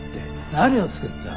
何を作った？